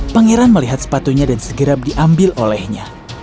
pangeran melihat sepatunya dan segera diambil olehnya